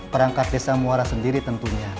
perangkat desa muara sendiri tentunya